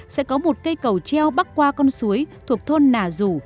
sẽ có một cây cầu treo bắc qua con suối thuộc thôn nà rù